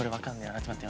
待って待って。